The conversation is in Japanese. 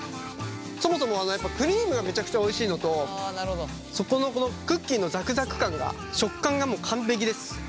そもそもやっぱクリームがめちゃくちゃおいしいのと底のこのクッキーのザクザク感が食感がもう完璧です。